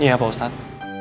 iya pak ustad